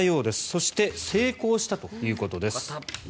そして成功したということです。